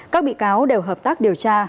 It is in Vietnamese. các bị cáo đều hợp tác điều tra